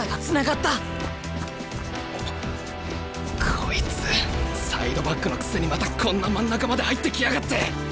こいつサイドバックのくせにまたこんな真ん中まで入ってきやがって。